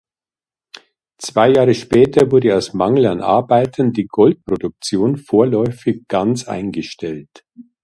Zwei Jahre später wurde aus Mangel an Arbeitern die Goldproduktion vorläufig ganz eingestellt.